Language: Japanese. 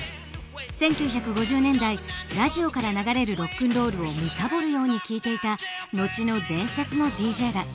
１９５０年代ラジオから流れるロックンロールを貪るように聴いていた後の伝説のＤＪだ。